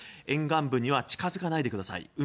沿岸部には近づかないでください。